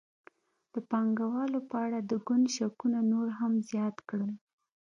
د پانګوالو په اړه د ګوند شکونه نور هم زیات کړل.